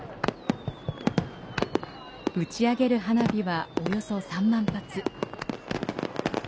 打ち上げる花火は約３万発。